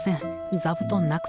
座布団なくて。